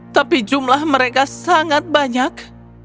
tapi jumlah mereka sangat banyak